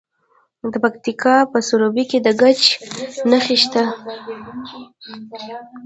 د پکتیکا په سروبي کې د ګچ نښې شته.